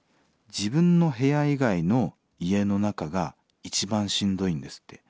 自分の部屋以外の家の中が一番しんどいんですって。